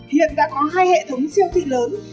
hiện đã có hai hệ thống siêu thị lớn